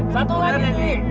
satu lagi dik